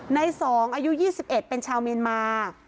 นายสองอายุ๒๑เป็นชาวเมียนมา